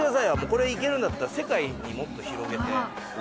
これいけるんだったら世界にもっと広げて。